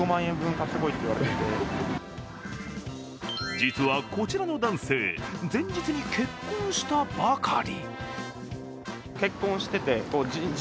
実は、こちらの男性前日に結婚したばかり。